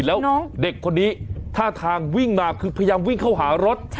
แล้วเด็กคนนี้ท่าทางวิ่งมาคือพยายามวิ่งเข้าหารถ